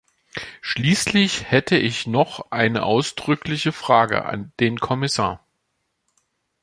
Schließlich hätte ich noch eine ausdrückliche Frage an den Kommissar.